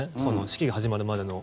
式が始まるまでの。